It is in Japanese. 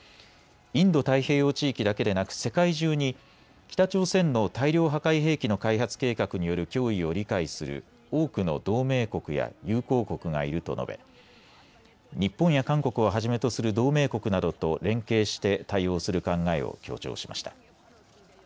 インド太平洋地域だけでなく世界中に北朝鮮の大量破壊兵器の開発計画による脅威を理解する多くの同盟国や友好国がいると述べ日本や韓国をはじめとする同盟国などと連携して対応する考えを強調しました。